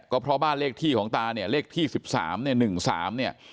ก็เพราะบ้านเลขที่ของตาเนี้ยเลขที่สิบสามเนี้ยหนึ่งสามเนี้ย